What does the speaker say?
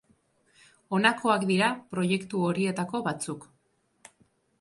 Honakoak dira proiektu horietako batzuk.